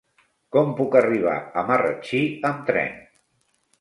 Com puc arribar a Marratxí amb tren?